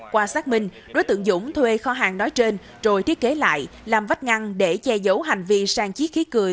qua xác minh đối tượng dũng thuê kho hàng nói trên rồi thiết kế lại làm vách ngăn để che giấu hành vi sang chiếc khí cười